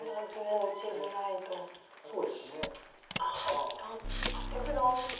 一旦アテ込みました。